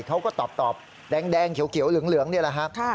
เขาก็ตอบแดงเขียวเหลืองนี่แหละฮะ